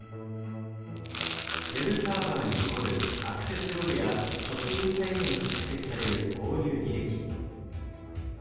Ｗｅｂサーバに残るアクセスログやショッピングサイトに蓄積される購入履歴。